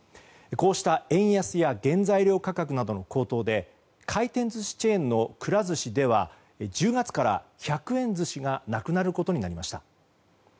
こうした円安や原材料価格の高騰で回転寿司チェーンのくら寿司では１０月から１００円寿司がなくなることになりました。